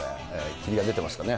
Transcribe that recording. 霧が出てますかね。